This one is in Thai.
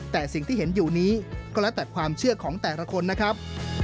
แต่สิ่งที่เห็นอยู่นี้ก็แล้วแต่ความเชื่อของแต่ละคนนะครับ